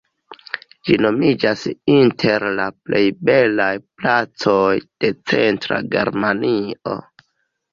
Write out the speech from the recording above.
Ĝi nomiĝas inter la plej belaj placoj de Centra Germanio.